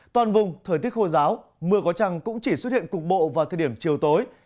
toàn vùng thời tiết khô giáo mưa có trăng cũng chỉ xuất hiện cục bộ vào thời điểm chiều tối